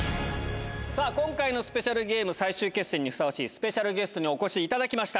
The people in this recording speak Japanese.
さあ、今回のスペシャルゲーム最終決戦にふさわしいスペシャルゲストにお越しいただきました。